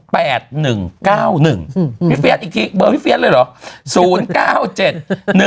พี่เฟียสอีกทีเบอร์พี่เฟียสเลยหรอ๐๙๗๑๙๒๑๘๙๑๕